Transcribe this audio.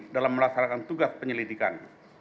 dalam melaksanakan tugas penyelidikan